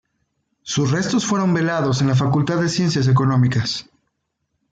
Sus restos fueron velados en la Facultad de Ciencias Económicas.